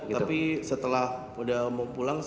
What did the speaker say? tapi setelah udah mau pulang